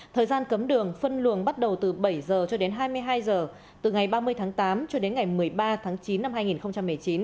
thời gian cấm đường phân luồng bắt đầu từ bảy h cho đến hai mươi hai h từ ngày ba mươi tháng tám cho đến ngày một mươi ba tháng chín năm hai nghìn một mươi chín